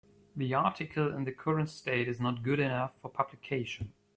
The article in the current state is not good enough for publication.